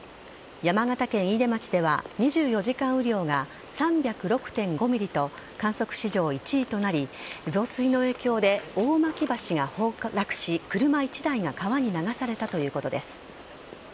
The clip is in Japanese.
山形県飯豊町では２４時間雨量が３０６．５ｍｍと観測史上１位となり増水の影響で大巻橋が崩落し車１台が川に流されたということです。